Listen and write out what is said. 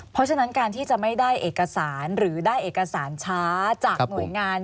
เพราะฉะนั้นการที่จะไม่ได้เอกสารหรือได้เอกสารช้าจากหน่วยงาน